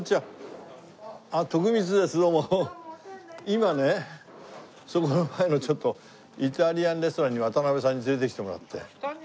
今ねそこの前のちょっとイタリアンレストランに渡辺さんに連れてきてもらって。